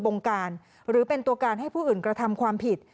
บงการหรือเป็นตัวการให้ผู้อื่นกระทำความผิด